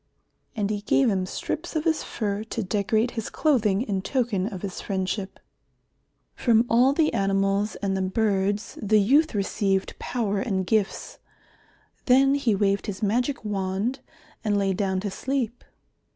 And he gave him strips of his fur to decorate his clothing in token of his friendship. From all the animals and the birds the youth received power and gifts. Then he waved his magic wand and lay down to sleep.